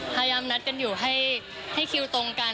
พยายามนัดกันอยู่ให้คิวตรงกัน